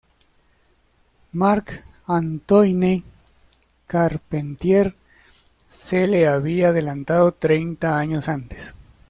Marc-Antoine Charpentier se le había adelantado treinta años antes.